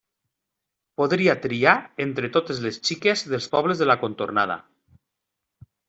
Podria triar entre totes les xiques dels pobles de la contornada.